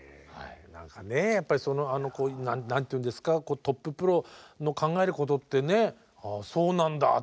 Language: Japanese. やっぱりその何て言うんですかトッププロの考えることってねああそうなんだっていうことあるもんね。